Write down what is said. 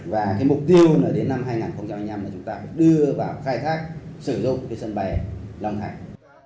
và mục tiêu đến năm hai nghìn hai mươi năm là chúng ta đưa vào khai thác sử dụng sân bay long thành